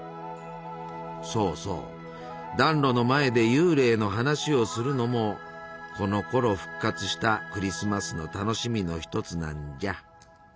そうそう暖炉の前で幽霊の話をするのもこのころ復活したクリスマスの楽しみの一つなんじゃ。